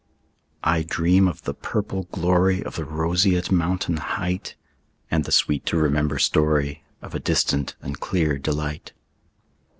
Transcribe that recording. I dream of the purple gloryOf the roseate mountain heightAnd the sweet to remember storyOf a distant and clear delight.